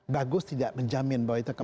bagus tidak menjamin bahwa itu